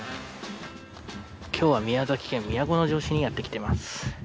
今日は宮崎県都城市にやってきてます。